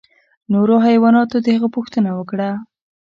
نورو حیواناتو د هغه پوښتنه وکړه.